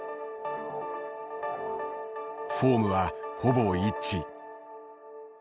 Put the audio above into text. フォームはほぼ一致。